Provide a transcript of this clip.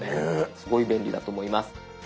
すごい便利だと思います。